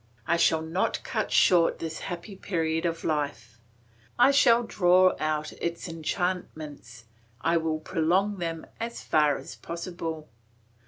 I shall not cut short this happy period of life. I will draw out its enchantments, I will prolong them as far as possible.